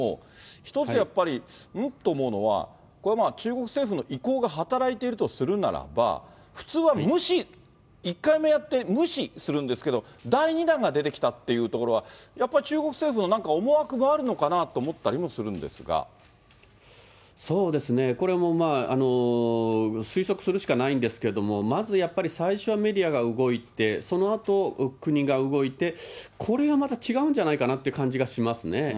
一つやっぱり、ん？と思うのはこれは中国政府の意向が働いているとするならば、普通は無視、１回目やって無視するんですけど、第２弾が出てきたというところは、やっぱり中国政府のなんか思惑があるのかなと思ったりもするんでそうですね、これも推測するしかないんですけれども、まずやっぱり最初はメディアが動いて、そのあと国が動いて、これはまた違うんじゃないかなという感じがしますね。